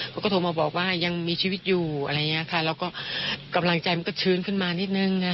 เขาก็โทรมาบอกว่ายังมีชีวิตอยู่แล้วก็กำลังใจมันก็ชื้นขึ้นมานิดนึง